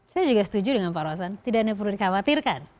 saya juga setuju dengan pak rawasan tidak perlu dikhawatirkan